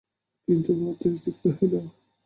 কিন্তু পাত্রী ঠিক রহিল।